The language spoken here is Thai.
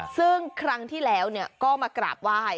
ซึ่งครั้งที่แล้วก็มากราบไหว้